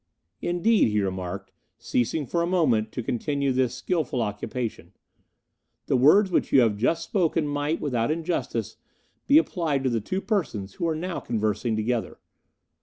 "Indeed," he remarked, ceasing for a moment to continue this skilful occupation, "the words which you have just spoken might, without injustice, be applied to the two persons who are now conversing together.